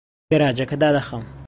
گەراجەکە دادەخەم.